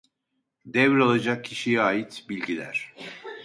Devralacak kişiye ait bilgiler